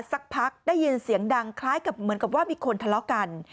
สักพักได้ยินเสียงดังคล้ายกับเหมือนกับว่ามีคนทะเลาะกัน